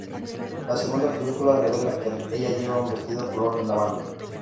La segunda película revela que ella lleva un vestido color lavanda.